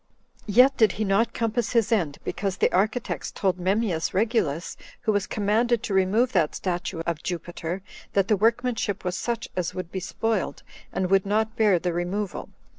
Yet did not he compass his end, because the architects told Memmius Regulus, who was commanded to remove that statue of Jupiter, that the workmanship was such as would be spoiled, and would not bear the removal.